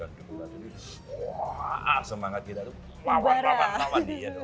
wah semangat kita itu mawar mawar